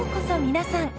皆さん。